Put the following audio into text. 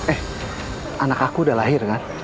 eh anak aku udah lahir kan